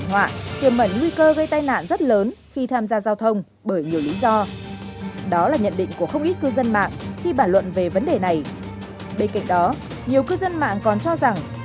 bên cạnh đó nhiều cư dân mạng còn cho rằng